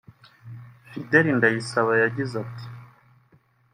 Fidele Ndayisaba yagize ati